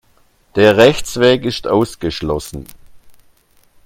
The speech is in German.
Der Rechtsweg ist ausgeschlossen.